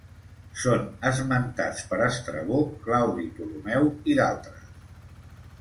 Són esmentats per Estrabó, Claudi Ptolemeu i d'altres.